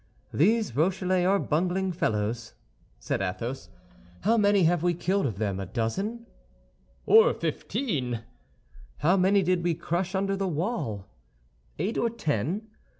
"These Rochellais are bungling fellows," said Athos; "how many have we killed of them—a dozen?" "Or fifteen." "How many did we crush under the wall?" "Eight or ten."